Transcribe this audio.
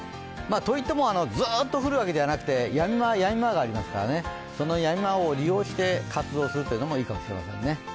といっても、ずっと降るわけではなくて、やみ間、やみ間がありますから、そのやみ間を利用して活動するのもいいかもしれませんね。